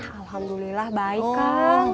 alhamdulillah baik kang